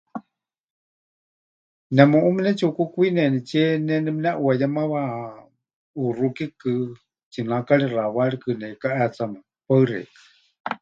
Nemu´ú mɨnetsiʼukukwinenitsie ne nepɨneʼuayemawa ʼuxukikɨ, tsinakari xawaarikɨ, neʼikaʼetsame. Paɨ xeikɨ́a.